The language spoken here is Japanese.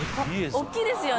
大きいですよね。